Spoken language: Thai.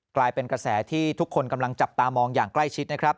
กลายเป็นกระแสที่ทุกคนกำลังจับตามองอย่างใกล้ชิดนะครับ